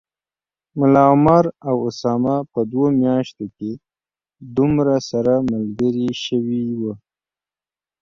ملا عمر او اسامه په دوو میاشتو کي دومره سره ملګري شوي و